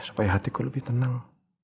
supaya hatiku lebih tenang